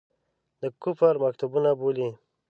د کفر مکتبونه بولي.